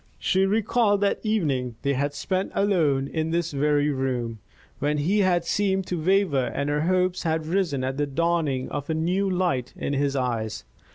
She recalled that evening they had spent alone in this very room, when he had seemed to waver and her hopes had risen at the dawning of a new light in his eyes.